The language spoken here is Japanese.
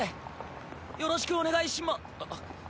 よろしくお願いしまあっ。